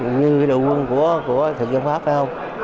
như đội quân của thượng dân pháp phải không